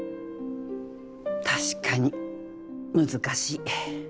確かに難しい。